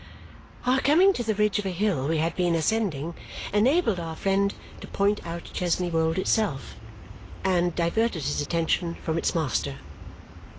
Our coming to the ridge of a hill we had been ascending enabled our friend to point out Chesney Wold itself to us and diverted his attention from its master.